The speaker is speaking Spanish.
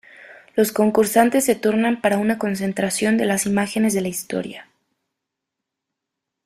Los concursantes se turnan para una concentración de las imágenes de la historia.